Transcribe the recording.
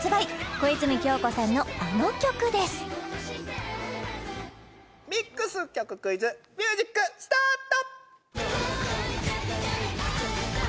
小泉今日子さんのあの曲ですミックス曲クイズミュージックスタート！